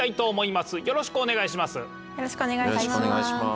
よろしくお願いします。